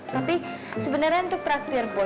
tapi sebenarnya itu praktir boy